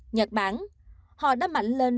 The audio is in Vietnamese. nhật bản họ đã mạnh lên